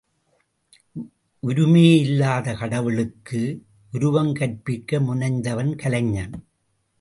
உருமே இல்லாத கடவுளுக்கு உருவம் கற்பிக்க முனைந்தவன் கலைஞன்.